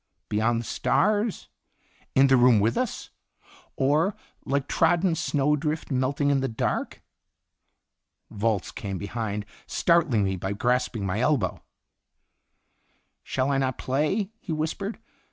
Beyond the stars, in the room with us, or "like trodden snowdrift melting in the dark?" Volz came behind, startling me by grasping my elbow. "Shall I not play?" he whispered.